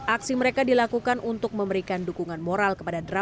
aksi mereka dilakukan untuk memberikan dukungan moral kepada draf